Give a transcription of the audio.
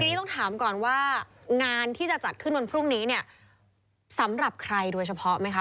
ทีนี้ต้องถามก่อนว่างานที่จะจัดขึ้นวันพรุ่งนี้เนี่ยสำหรับใครโดยเฉพาะไหมคะ